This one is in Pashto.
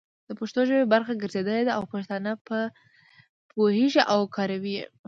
د پښتو ژبې برخه ګرځېدلي دي او پښتانه په پوهيږي او کاروي يې،